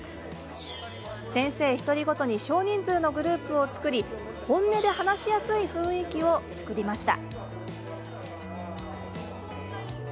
先生１人ごとに少人数のグループを作り本音で話し合いやすい雰囲気を作りました。